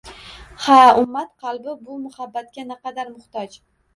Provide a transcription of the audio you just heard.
Ha, ummat qalbi bu muhabbatga naqadar muhtoj